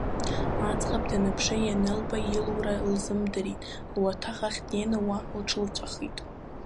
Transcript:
Аӡӷаб днаԥшны ианылба, илура лзымдырит, луаҭах ахь днеин, уа лҽылҵәахит.